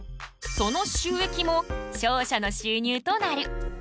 その収益も商社の収入となる。